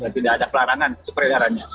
tidak ada pelarangan itu peredarannya